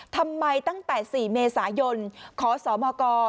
ทำไมตั้งแต่๔เมษายนขอสอบมากร